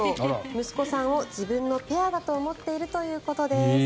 息子さんを自分のペアだと思っているということです。